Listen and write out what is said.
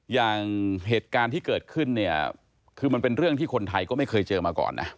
อย่างเหตุการณ์ที่เกิดขึ้นเนี่ยคือมันเป็นเรื่องที่คนไทยก็ไม่เคยเจอมาก่อนนะ